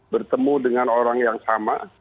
bertemu dengan orang yang sama